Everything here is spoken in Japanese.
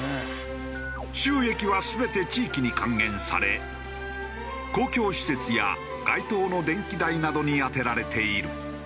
収益は全て地域に還元され公共施設や街灯の電気代などに充てられている。